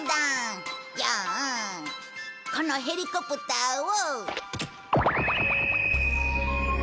じゃあこのヘリコプターを。